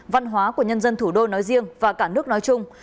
văn hóa của nhân dân thủ đô nói riêng và cả nước nói chung